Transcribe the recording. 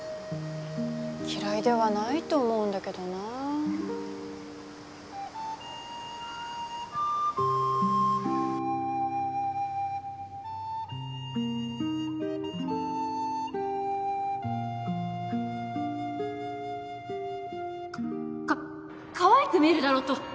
嫌いではないと思うんだけどなかっかわいく見えるだろうと